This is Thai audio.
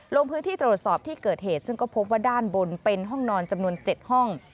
ลงพื้นที่ตรวจสอบที่เกิดเหตุซึ่งก็พบว่าด้านบนเป็นห้องนอนจำนวน๗ห้อง